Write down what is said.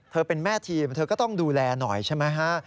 เป็นแม่ทีมเธอก็ต้องดูแลหน่อยใช่ไหมฮะ